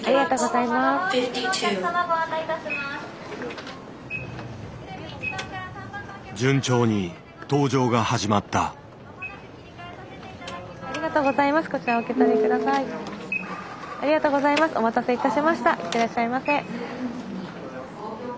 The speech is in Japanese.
いってらっしゃいませ。